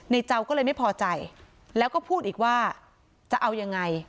เจ้าก็เลยไม่พอใจแล้วก็พูดอีกว่าจะเอายังไง